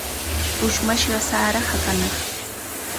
Ushmashqa sara hakanaq.